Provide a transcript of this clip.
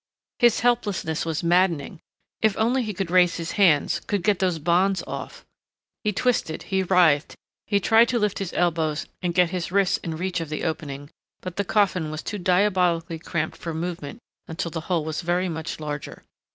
His helplessness was maddening. If only he could raise his hands, could get those bonds off! He twisted, he writhed, he tried to lift his elbows and get his wrists in reach of the opening, but the coffin was too diabolically cramped for movement until the hole was very much larger.